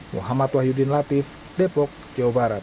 muhammad wahyudin latif depok jawa barat